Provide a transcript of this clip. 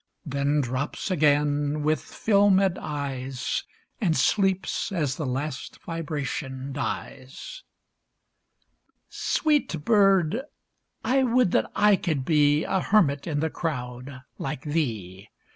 Then drops again with fdmed eyes, And sleeps as the last vibration dies. a (89) Sweet bird ! I would that I could be A hermit in the crowd like thee